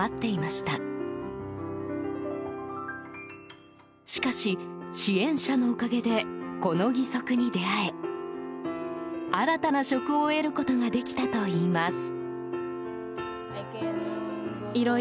しかし、支援者のおかげでこの義足に出会え新たな職を得ることができたといいます。